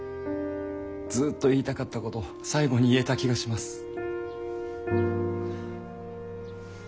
ずっと言いたかったこと最後に言えた気がします。